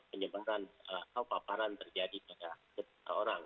penyebaran atau paparan terjadi pada orang